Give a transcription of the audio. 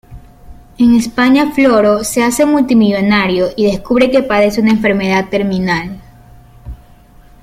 En España Floro se hace multi millonario, y descubre que padece una enfermedad terminal.